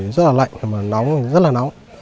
rất là lạnh mà nóng thì rất là nóng